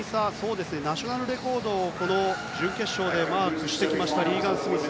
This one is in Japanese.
ナショナルレコードをこの準決勝でマークしてきましたリーガン・スミス。